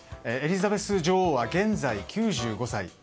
エリザベス女王は現在、９５歳。